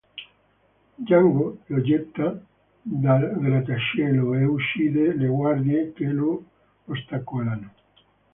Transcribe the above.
Jango lo getta dal grattacielo e uccide le guardie che lo ostacolano.